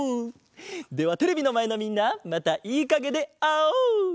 ではテレビのまえのみんなまたいいかげであおう！